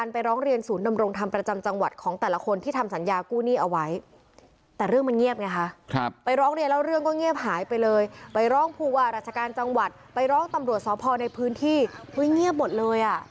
ไปร้องตำรวจศพในพื้นที่เงียบหมดเลย